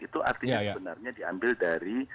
itu artinya sebenarnya diambil dari